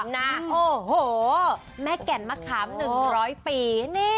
โอ้โหแม่แก่นมะขาม๑๐๐ปี